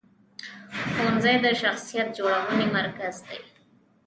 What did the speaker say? ښوونځی د شخصیت جوړونې مرکز دی.